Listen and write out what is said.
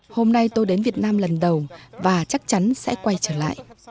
hôm nay tôi đến việt nam lần đầu và chắc chắn sẽ quay trở lại